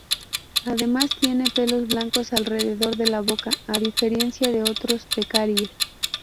Además tiene pelos blancos alrededor de la boca, a diferencia de otros pecaríes.